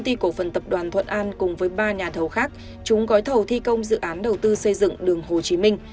tập đoàn thuận an cùng với ba nhà thầu khác trúng gói thầu thi công dự án đầu tư xây dựng đường hồ chí minh